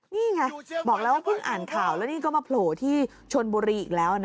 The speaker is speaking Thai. นี่ไงบอกแล้วว่าเพิ่งอ่านข่าวแล้วนี่ก็มาโผล่ที่ชนบุรีอีกแล้วนะ